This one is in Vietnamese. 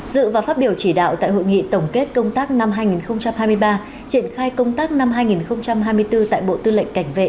dự và phát biểu chỉ đạo tại hội nghị tổng kết công tác năm hai nghìn hai mươi ba triển khai công tác năm hai nghìn hai mươi bốn tại bộ tư lệnh cảnh vệ